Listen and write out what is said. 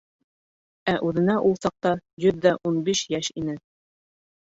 Ә үҙенә ул саҡта йөҙ ҙә ун биш йәш ине...